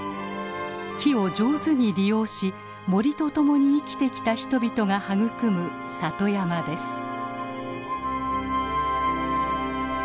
木を上手に利用し森と共に生きてきた人々が育む里山です。